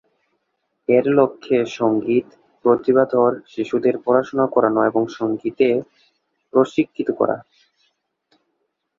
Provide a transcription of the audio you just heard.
এর লক্ষ্য সঙ্গীত প্রতিভাধর শিশুদের পড়াশোনা করানো এবং সঙ্গীতে প্রশিক্ষিত করা।